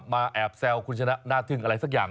แอบแซวคุณชนะหน้าทึ่งอะไรสักอย่าง